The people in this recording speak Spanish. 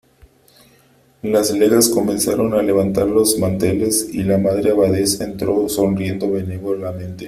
las legas comenzaron a levantar los manteles , y la Madre Abadesa entró sonriendo benévolamente :